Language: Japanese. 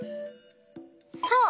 そう！